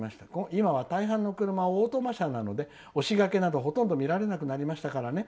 今は大半の車はオートマ車なので押しがけなどほとんど見られなくなりましたからね。